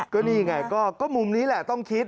ก็นี่ไงก็มุมนี้แหละต้องคิด